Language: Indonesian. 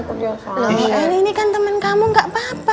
kalau ini kan temen kamu gak apa apa